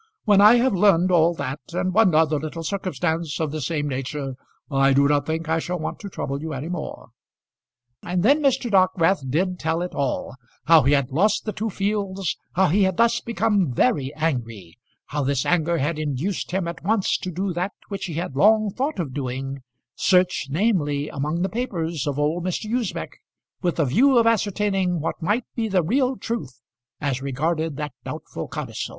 When I have learned all that, and one other little circumstance of the same nature, I do not think I shall want to trouble you any more." And then Mr. Dockwrath did tell it all; how he had lost the two fields, how he had thus become very angry, how this anger had induced him at once to do that which he had long thought of doing, search, namely, among the papers of old Mr. Usbech, with the view of ascertaining what might be the real truth as regarded that doubtful codicil.